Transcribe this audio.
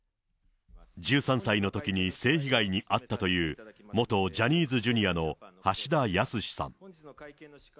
１３歳のときに性被害に遭ったという、元ジャニーズＪｒ．の橋田康さん。